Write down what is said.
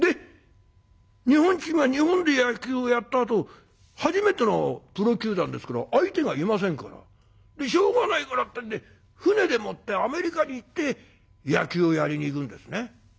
日本チームは日本で野球をやったあと初めてのプロ球団ですから相手がいませんからしょうがないからってんで船でもってアメリカに行って野球をやりに行くんですね。